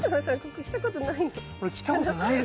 ここ来たことないの？